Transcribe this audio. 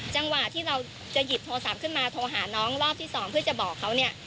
จังหวะที่เราจะหยิบโทรศัพท์ขึ้นมาโทรหาน้องรอบที่สองเพื่อจะบอกเขาเนี่ย